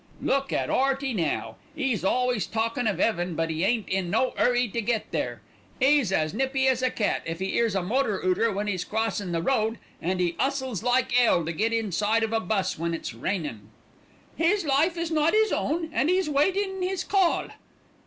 "Look at 'Earty, now. 'E's always talkin' of 'eaven, but 'e ain't in no 'urry to get there. 'E's as nippy as a cat if 'e 'ears a motor 'ooter when 'e's crossin' the road; and 'e 'ustles like 'ell to get inside of a bus when it's rainin'." "His life is not 'is own, and he's waitin' his call."